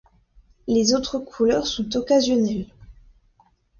Les autres couleurs sont occasionnelles.